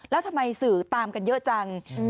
แล้วทำไมสื่อตามกันเยอะจัง